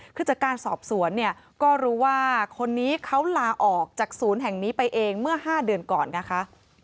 คือจากการสอบสวนเนี่ยก็รู้ว่าคนนี้เขาลาออกจากศูนย์แห่งนี้ไปเองเมื่อ๕เดือนก่อนนะคะ